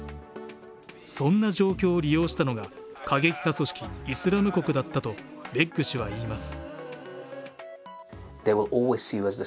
そんな状況を利用したのが過激派組織イスラム国だったとベッグ氏は言います。